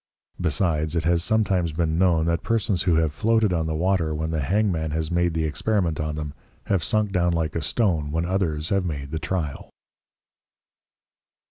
Besides, it has sometimes been known that Persons who have floated on the Water when the Hangman has made the Experiment on them, have sunk down like a Stone, when others have made the tryal.